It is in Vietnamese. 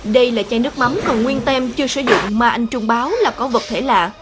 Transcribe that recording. đây là chai nước mắm còn nguyên tem chưa sử dụng mà anh trung báo là có vật thể lạ